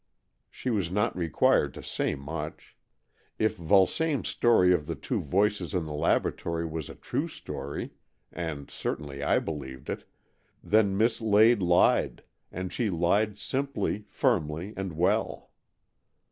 She was not required to say much. If Vulsame's story of the two voices in the laboratory was a true story — and certainly I believed it — then Miss Lade lied, and she lied simply, firmly and well.